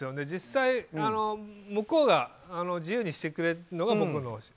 実際、向こうが自由にしてくれるのがね。